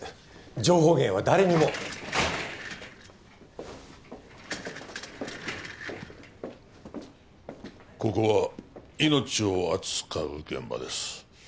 情報源は誰にもここは命を扱う現場です